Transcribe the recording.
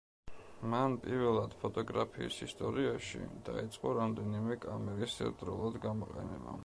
მან პირველად ფოტოგრაფიის ისტორიაში დაიწყო რამდენიმე კამერის ერთდროულად გამოყენება.